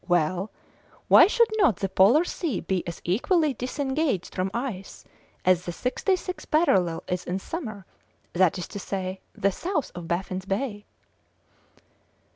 Well, why should not the Polar Sea be as equally disengaged from ice as the sixty sixth parallel is in summer that is to say, the south of Baffin's Bay?"